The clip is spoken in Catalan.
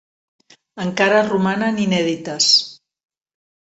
Encara romanen inèdites.